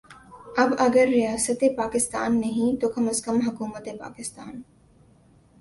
اب اگر ریاست پاکستان نہیں تو کم از کم حکومت پاکستان